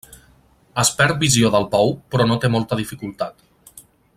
Es perd visió del bou però no té molta dificultat.